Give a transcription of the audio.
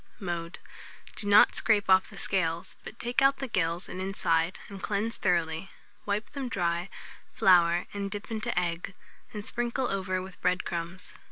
Mode. Do not scrape off the scales, but take out the gills and inside, and cleanse thoroughly; wipe them dry, flour and dip them into egg, and sprinkle over with bread crumbs.